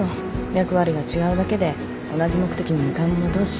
役割が違うだけで同じ目的に向かう者同士。